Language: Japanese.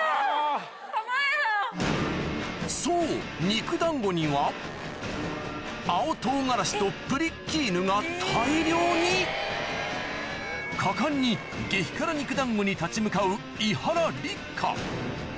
そう肉団子には青唐辛子とプリッキーヌが大量に果敢に激辛肉団子に立ち向かう伊原六花